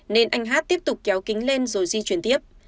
nên anh hát tiếp tục kéo kính lên rồi di chuyển tiếp